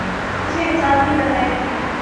، اسے انسان بھی بنائے گا۔